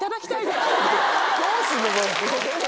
どうすんの？